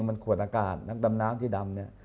มันขวดอากาศนักดำน้ำที่ดำเนี่ย